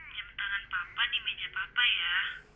jam tangan papa di meja papa ya